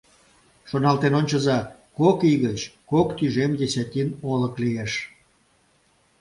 Шоналтен ончыза, кок ий гыч кок тӱжем десятин олык лиеш.